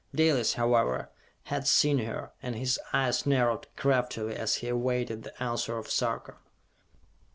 Dalis, however, had seen her, and his eyes narrowed craftily as he awaited the answer of Sarka.